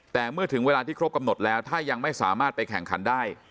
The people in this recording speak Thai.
แต่เมื่อถึงเวลาที่ครบกำหนดแล้วถ้ายังไม่สามารถไปแข่งขันได้